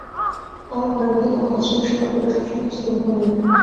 আমার মনের মধ্যে তখন আশ্রমের সংকল্পটা সব সময়েই ছিল মুখর হয়ে।